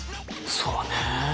そうね。